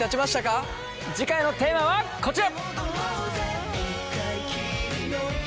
次回のテーマはこちら。